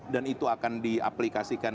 dan itu akan diaplikasikan